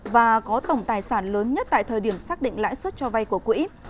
và có tổng tài sản lớn nhất tại thời điểm xác định lãi suất cho vay của quỹ